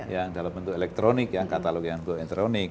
yang dalam bentuk elektronik ya e katalog yang elektronik